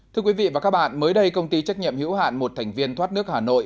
thưa quý vị và các bạn mới đây công ty trách nhiệm hữu hạn một thành viên thoát nước hà nội